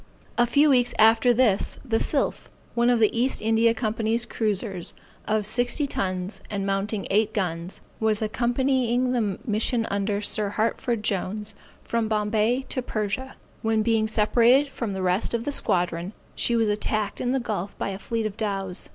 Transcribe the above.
_] A few weeks after this, the Sylph, one of the East India Company's cruisers, of sixty tons and mounting eight guns, was accompanying the mission under Sir Hartford Jones, from Bombay, to Persia; when being separated from the rest of the squadron, she was attacked in the gulf by a fleet of dows.